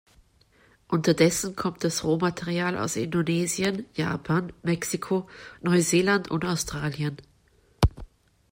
Unterdessen kommt das Rohmaterial aus Indonesien, Japan, Mexiko, Neuseeland und Australien.